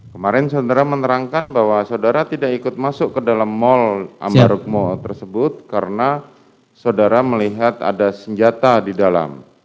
kemarin saudara menerangkan bahwa saudara tidak ikut masuk ke dalam mall ambarukmo tersebut karena saudara melihat ada senjata di dalam